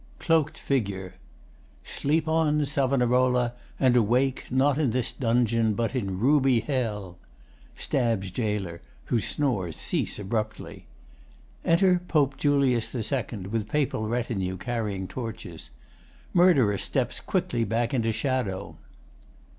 ] CLOAKED FIGURE Sleep on, Savonarola, and awake Not in this dungeon but in ruby Hell! [Stabs Gaoler, whose snores cease abruptly. Enter POPE JULIUS II, with Papal retinue carrying torches. MURDERER steps quickly back into shadow.